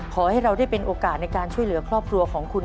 ขอให้เราได้เป็นโอกาสในการช่วยเหลือครอบครัวของคุณ